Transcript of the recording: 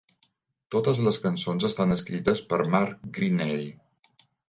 Totes les cançons estan escrites per Mark Greaney.